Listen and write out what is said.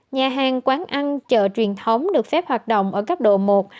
nhà hàng quán ăn chợ truyền thống được phép hoạt động ở cấp độ một hai ba